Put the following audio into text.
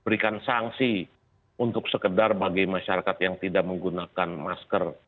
berikan sanksi untuk sekedar bagi masyarakat yang tidak menggunakan masker